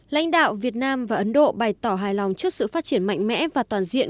lãnh đạo việt nam và ấn độ bày tỏ hài lòng trước sự phát triển mạnh mẽ và toàn diện